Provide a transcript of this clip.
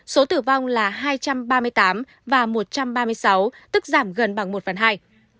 số tử vong là hai trăm ba mươi tám và một trăm ba mươi sáu tức giảm gần bằng một phần hai